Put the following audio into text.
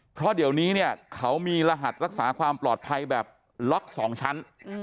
เพราะเดี๋ยวนี้เนี่ยเขามีรหัสรักษาความปลอดภัยแบบล็อก๒ชั้น